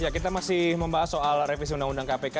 kita masih membahas soal revisi undang undang kpk